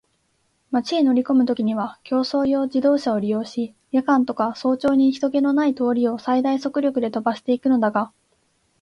町へ乗りこむときには競走用自動車を利用し、夜間とか早朝に人気ひとけのない通りを最大速力で飛ばしていくのだが、